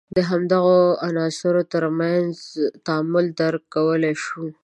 د همدغو عناصر تر منځ تعامل درک کولای شو.